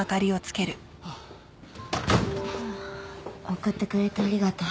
送ってくれてありがとう。